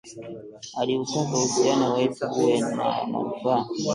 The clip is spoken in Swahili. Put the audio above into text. Aliutaka uhusiano wetu uwe na manufaa